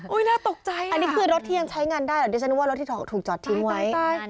น่าตกใจอันนี้คือรถที่ยังใช้งานได้เหรอดิฉันนึกว่ารถที่ถูกจอดทิ้งไว้